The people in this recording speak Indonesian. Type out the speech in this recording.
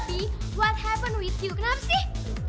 tapi apa yang terjadi sama kamu kenapa sih